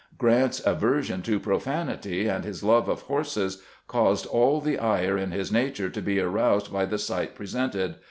Grant's aversion to profanity and his love of horses caused all the ire in his nature to be aroused by the sight presented.